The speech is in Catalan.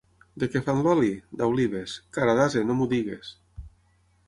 De què fan l'oli? —D'olives. —Cara d'ase, no m'ho digues.